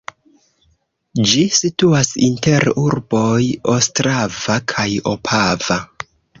Ĝi situas inter urboj Ostrava kaj Opava.